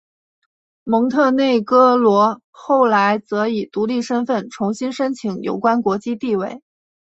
蒙特内哥罗后来则以独立身份重新申请有关国际地位。